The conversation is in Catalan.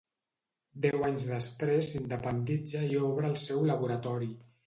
Deu anys després s'independitza i obre el seu laboratori.